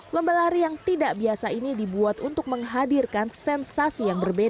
lomba lari yang tidak biasa ini dibuat untuk menghadirkan sensasi yang berbeda